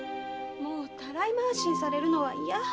もうたらい回しにされるのはいや。